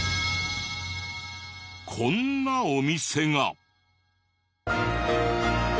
こんなお店が。